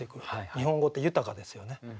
日本語って豊かですよね。